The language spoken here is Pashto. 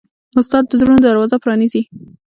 استاد د زړونو دروازه پرانیزي.